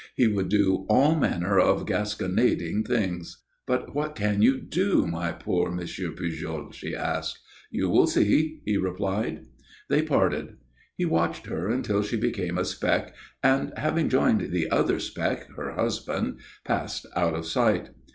He would do all manner of gasconading things. "But what can you do, my poor M. Pujol?" she asked. "You will see," he replied. They parted. He watched her until she became a speck and, having joined the other speck, her husband, passed out of sight.